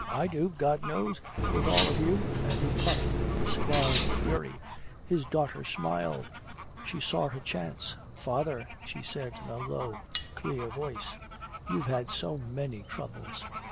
I do God knows with all of you!" And he puffed his cigar in a fury. His daughter smiled. She saw her chance. "Father," she said, in a low clear voice, "You've had so many troubles.